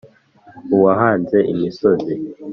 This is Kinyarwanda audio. uwahanze imisozi